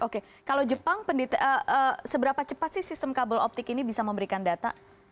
oke kalau jepang seberapa cepat sih sistem kabel optik ini bisa memberikan data